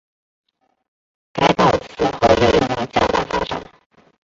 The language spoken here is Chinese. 该报此后又有了较大发展。